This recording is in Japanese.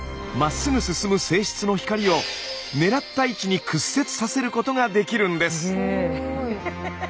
まっすぐ進む性質の光を狙った位置に屈折させることができるんです。